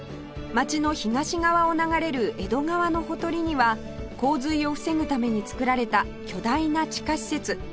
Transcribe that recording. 町の東側を流れる江戸川のほとりには洪水を防ぐために造られた巨大な地下施設